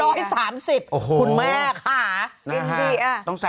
คุณแม่ขา